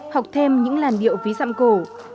học thêm những làn điệu ví dặm cổ